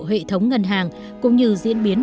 hệ thống ngân hàng cũng như diễn biến